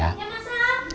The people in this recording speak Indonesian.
ya mas sal